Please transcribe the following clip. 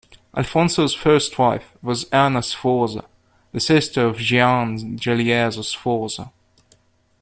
Alfonso's first wife was Anna Sforza, the sister of Gian Galeazzo Sforza.